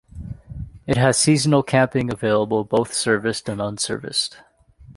It has seasonal camping available, both serviced and unserviced.